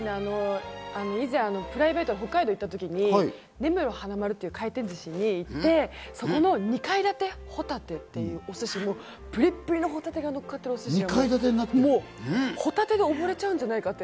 以前プライベートで北海道に行ったときに、根室花まるっていう回転ずし屋に行って、そこの二階建てホタテというお寿司、ぷりっぷりのホタテがのっかったお寿司。